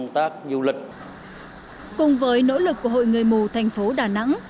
thành phố đà nẵng